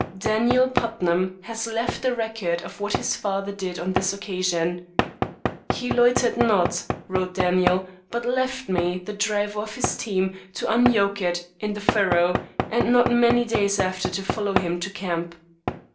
Daniel Putnam has left a record of what his father did on this occasion. "He loitered not," wrote Daniel, "but left me, the driver of his team, to unyoke it in the furrow, and not many days after to follow him to camp."